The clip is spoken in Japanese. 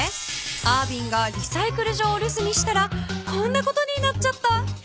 アービンがリサイクル場をるすにしたらこんなことになっちゃった！